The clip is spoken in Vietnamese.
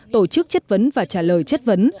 tổ chức chất vấn và trả lời chất vấn